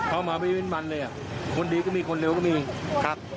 เอามาไม่เว้นมันเลยอ่ะคนดีก็มีคนเร็วก็มีครับ